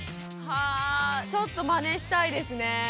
はあちょっとマネしたいですね。